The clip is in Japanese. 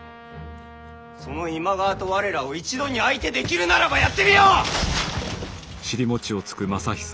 その今川と我らを一度に相手できるならばやってみよ！